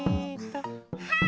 はい！